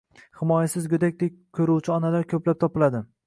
himoyasiz go‘dakdek ko‘ruvchi onalar ko‘plab topiladi.